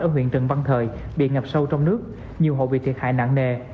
ở huyện trần văn thời bị ngập sâu trong nước nhiều hộ bị thiệt hại nặng nề